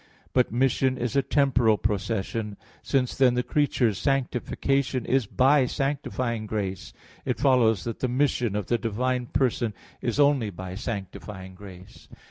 But mission is a temporal procession. Since then the creature's sanctification is by sanctifying grace, it follows that the mission of the divine person is only by sanctifying grace.